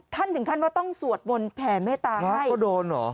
ท่านถึงขั้นว่าต้องสวดบนแผ่ไม่ตาให้ฮะก็โดนเหรอ